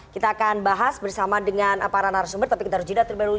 kita akan bahas bersama dengan para narasumber tapi kita harus jeda terlebih dahulu